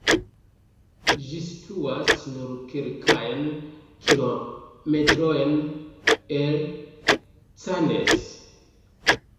Ĝi situas nur kelkajn kilometrojn el Cannes.